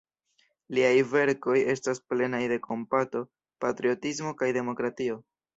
Liaj verkoj estas plenaj de kompato, patriotismo kaj demokratio.